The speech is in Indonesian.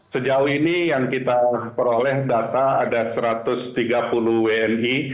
sejauh ini yang kita peroleh data ada satu ratus tiga puluh wni